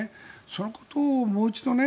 そのことをもう一度ね。